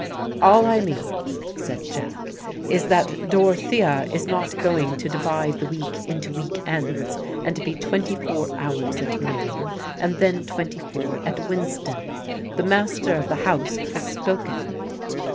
"All I mean," said Jack, "is that Dorothea is not going to divide the week into week ends, and be twenty four hours at Meering and then twenty four at Winston. The master of the house has spoken."